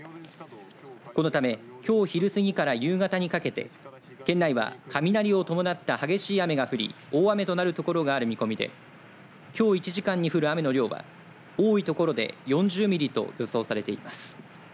このためきょう昼過ぎから夕方にかけて県内は雷を伴った激しい雨が降り大雨となるところがある見込みできょう１時間に降る雨の量は多いところで４０ミリと予想されています。